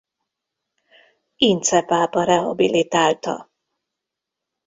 Ince pápa rehabilitálta.